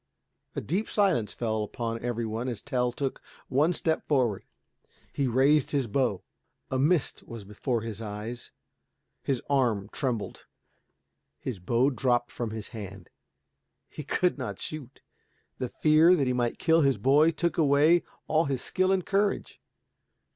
A deep silence fell upon every one as Tell took one step forward. He raised his bow. A mist was before his eyes, his arm trembled, his bow dropped from his hand. He could not shoot. The fear that he might kill his boy took away all his skill and courage.